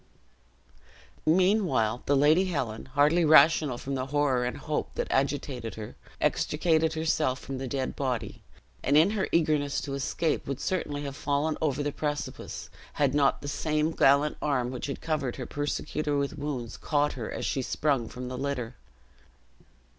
Meanwhile the Lady Helen, hardly rational from the horror and hope that agitated her, extricated herself from the dead body; and in her eagerness to escape, would certainly have fallen over the precipice, had not the same gallant arm which had covered her persecutor with wounds, caught her as she sprung from the litter.